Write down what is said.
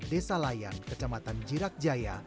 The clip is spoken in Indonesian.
desa layan kecamatan jirak jaya